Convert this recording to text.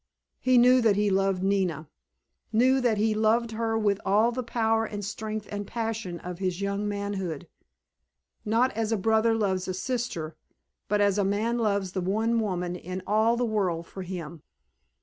He knew that he loved Nina. Knew that he loved her with all the power and strength and passion of his young manhood. Not as a brother loves a sister, but as a man loves the one woman in all the world for him.